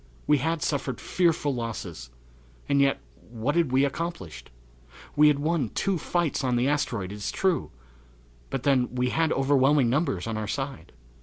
We had suffered fearful losses, and yet what had we accomplished? We had won two fights on the asteroid, it is true, but then we had overwhelming numbers on our side.